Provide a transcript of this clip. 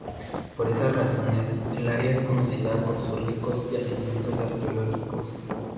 Por esas razones, el área es conocida por sus ricos yacimientos arqueológicos.